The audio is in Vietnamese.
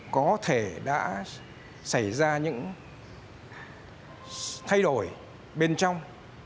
có thể đã xảy ra những thay đổi bên trong